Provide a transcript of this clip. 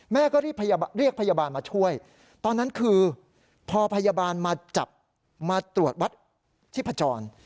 แม่ก็รีบเรียกพยาบาลมาช่วยตอนนั้นคือพอพยาบาลมาจับมาตรวจวัดชีพจร